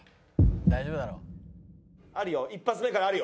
「大丈夫だろ」あるよ一発目からあるよ。